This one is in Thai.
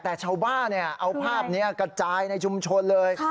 แต่ชาวบ้านเอาภาพนี้กระจายในชุมชนเลย